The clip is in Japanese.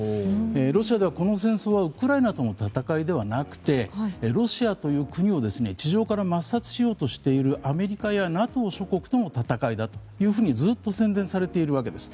ロシアでは、この戦争はウクライナとの戦いではなくてロシアという国を地上から抹殺しようとしているアメリカやＮＡＴＯ諸国との戦いだというふうにずっと宣伝されているわけです。